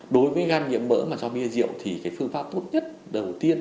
đối với gan nhiễm mỡ mà do bia rượu thì cái phương pháp tốt nhất đầu tiên